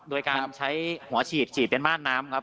โดยการใช้หัวฉีดฉีดเป็นม่านน้ำครับ